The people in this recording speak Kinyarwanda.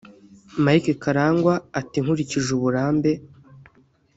Mike Karangwa ati “Nkurikije uburambe